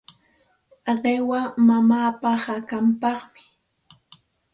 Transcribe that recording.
Qiwa mamaapa hakanpaqmi.